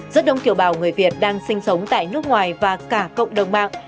rất đông kiểu bào người việt đang sinh sống tại nước ngoài và cả cộng đồng mạng